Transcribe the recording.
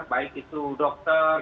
baik itu dokter